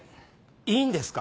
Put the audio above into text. いいんですか？